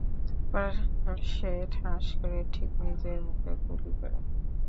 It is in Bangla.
তারপর সে ঠাস করে ঠিক নিজের মুখে গুলি করে!